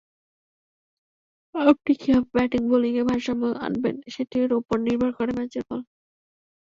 আপনি কীভাবে ব্যাটিং-বোলিংয়ে ভারসাম্য আনবেন সেটির ওপর নির্ভর করে ম্যাচের ফল।